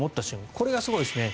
これがすごいですね。